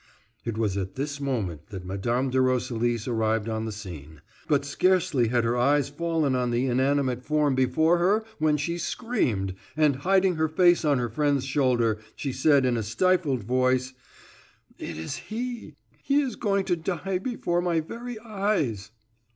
It was at this moment that Mme. de Roselis arrived on the scene; but scarcely had her eyes fallen on the inanimate form before her when she screamed, and, hiding her face on her friend's shoulder, she said, in a stifled voice: "It is he! He is going to die before my very eyes!"